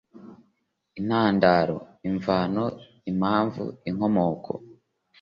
intandaro: imvano, impamvu, inkomoko…